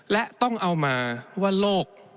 และต้องเอามาว่าโลก